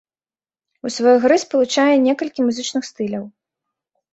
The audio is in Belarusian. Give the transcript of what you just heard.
У сваёй гры спалучае некалькі музычных стыляў.